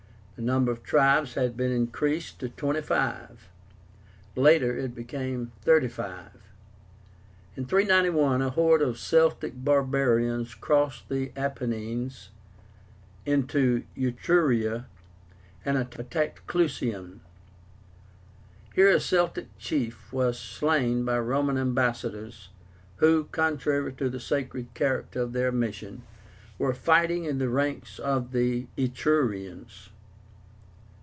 The number of tribes had been increased to twenty five. Later it became thirty five. In 391 a horde of Celtic barbarians crossed the Apennines into Etruria and attacked CLUSIUM. Here a Celtic chief was slain by Roman ambassadors, who, contrary to the sacred character of their mission, were fighting in the ranks of the Etrurians.